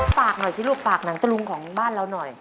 ฝากหน่อยสิลูกฝากหนังตะลุงของบ้านเราหน่อย